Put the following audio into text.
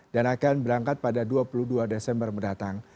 akan berangkat pada dua puluh dua desember mendatang